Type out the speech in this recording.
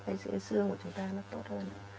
với sữa xương của chúng ta nó tốt hơn